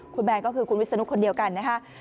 คุณแมนก็คือคุณวิศนุคนเดียวกันนะคะ